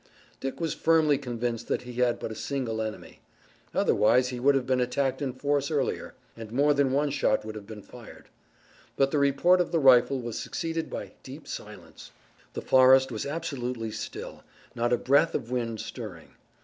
Dick was firmly convinced that he had but a single enemy. Otherwise he would have been attacked in force earlier, and more than one shot would have been fired. But the report of the rifle was succeeded by deep silence. The forest was absolutely still, not a breath of wind stirring.